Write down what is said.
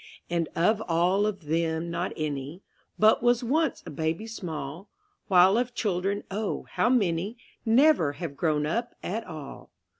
And of all of them not any But was once a baby small; While of children, oh, how many Never have grown up at all.